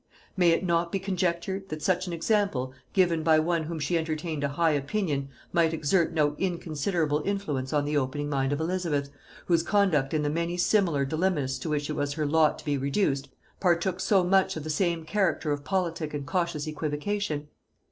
May it not be conjectured, that such an example, given by one of whom she entertained a high opinion, might exert no inconsiderable influence on the opening mind of Elizabeth, whose conduct in the many similar dilemmas to which it was her lot to be reduced, partook so much of the same character of politic and cautious equivocation?